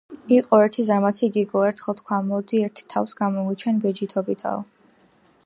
იყო ერთი ზარმაცი გიგო. ერთხელ თქვა: მოდი, ერთი თავს გამოვიჩენ ბეჯითობითაო.